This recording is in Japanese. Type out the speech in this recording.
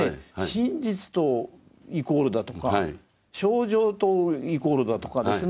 真実とイコールだとか清浄とイコールだとかですね